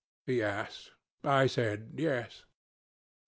he asked. I said, 'Yes.'